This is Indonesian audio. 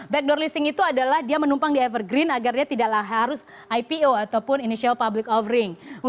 backdoor listing itu adalah dia menumpang di evergreen agar dia tidaklah harus ipo ataupun initial public offering